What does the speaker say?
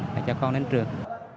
phải cho con đến trường